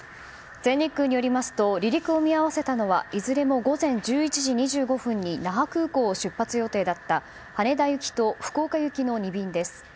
全日空によりますと離陸を見合わせたのはいずれも午前１１時２５分に那覇空港を出発予定だった羽田行きと福岡行きの２便です。